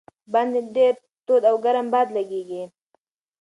باندې ډېر تود او ګرم باد لګېږي.